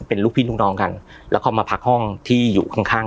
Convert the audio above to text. เป็นลูกพี่ลูกน้องกันแล้วก็มาพักห้องที่อยู่ข้างข้าง